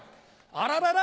あららら！